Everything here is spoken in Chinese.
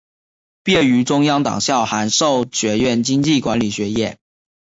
毕业于中央党校函授学院经济管理专业。